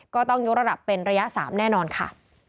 ก็ต้องยกระดับเป็นระยะ๓แน่นอนค่ะ